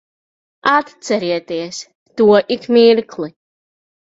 Atcerieties to ik mirkli.